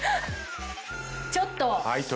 ちょっと！